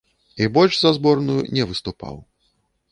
І больш за зборную не выступаў.